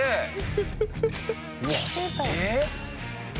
えっ！？